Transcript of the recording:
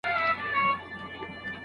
ټولنپوهنه موږ ته څه را زده کوي؟